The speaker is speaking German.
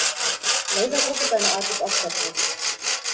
Laserdruck ist eine Art des Offsetdrucks.